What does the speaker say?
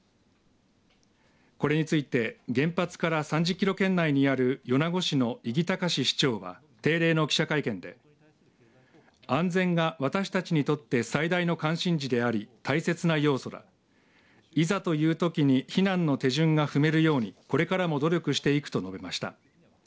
これについて、原発から３０キロ圏内にある米子市の伊木隆司市長は定例の記者会見で安全が私たちにとって最大の関心事であり大切な要素だいざというときに避難の手順が踏めるようにこれからも努力していくと述べました。